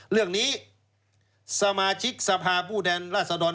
เรื่องนี้สมาชิกสภาผู้แทนราษฎร